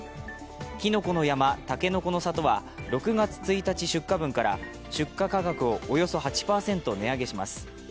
きのこの山、たけのこの里は６月１日出荷分から出荷価格をおよそ８％値上げします